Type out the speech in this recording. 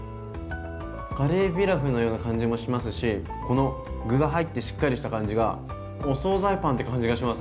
カレーピラフのような感じもしますしこの具が入ってしっかりした感じがお総菜パンって感じがします。